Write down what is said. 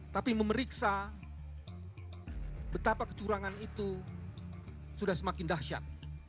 tapi memeriksa betapa kecurangan itu sudah semakin dahsyat